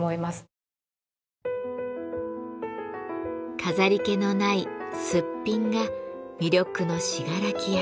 飾り気のない「すっぴん」が魅力の信楽焼。